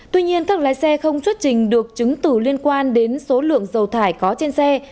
tuy nhiên các lái xe không xuất trình được chứng tử liên quan đến số lượng dầu thải có trên xe